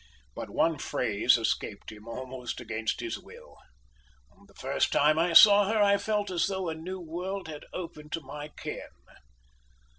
But one phrase escaped him almost against his will. "The first time I saw her I felt as though a new world had opened to my ken."